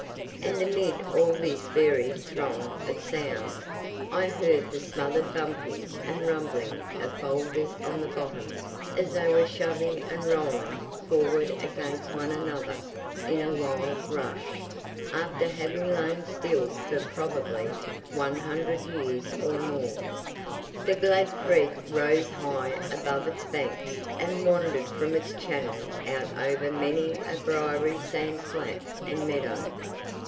And amid all this varied throng of sounds I heard the smothered bumping and rumbling of boulders on the bottom as they were shoving and rolling forward against one another in a wild rush, after having lain still for probably 100 years or more. The glad creek rose high above its banks and wandered from its channel out over many a briery sand flat and meadow.